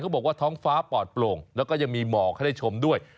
เขาบอกว่าท้องฟ้าปอดโปร่งแล้วก็จะมีหมอกให้ชมด้วย